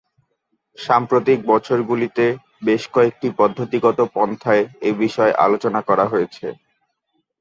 সাম্প্রতিক বছরগুলিতে বেশ কয়েকটি পদ্ধতিগত পন্থায় এ বিষয়ে আলোচনা করা হয়েছে।